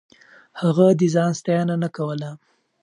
هغه د ځان ستاينه نه کوله.